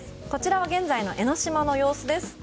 こちらは現在の江の島の様子です。